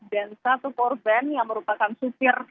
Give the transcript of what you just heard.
dan satu korban yang merupakan supir